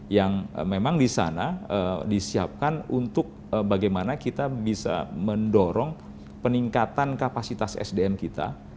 yang memang di sana disiapkan untuk bagaimana kita bisa mendorong peningkatan kapasitas sdm kita